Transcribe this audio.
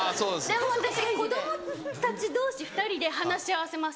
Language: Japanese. でも私子供たち同士２人で話し合わせます。